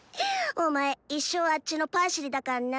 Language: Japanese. お前一生あッチのパシリだかんな！